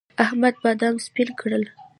احمد بادام سپين کړل.